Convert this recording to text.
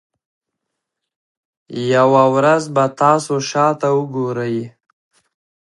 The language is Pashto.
یوه ورځ به تاسو شاته وګورئ.